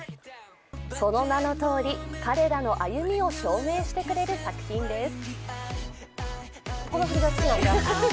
その名のとおり彼らの歩みを証明してくれる作品です。